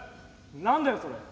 何だよそれ」。